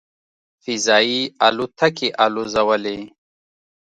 "فضايي الوتکې" الوځولې.